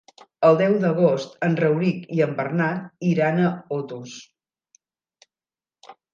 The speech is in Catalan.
El deu d'agost en Rauric i en Bernat iran a Otos.